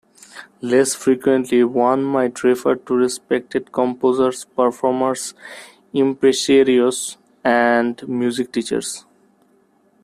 Less frequently, one might refer to respected composers, performers, impresarios, and music teachers.